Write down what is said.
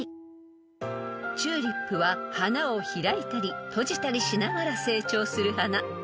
［チューリップは花を開いたり閉じたりしながら成長する花］